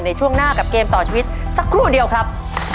ในช่วงหน้ากับเกมต่อชีวิตสักครู่เดียวครับ